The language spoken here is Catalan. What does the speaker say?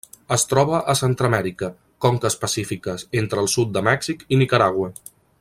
Es troba a Centreamèrica: conques pacífiques entre el sud de Mèxic i Nicaragua.